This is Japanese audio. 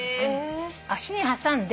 脚に挟んで。